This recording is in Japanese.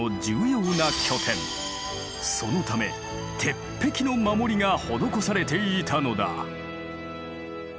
そのため鉄壁の守りが施されていたのだ。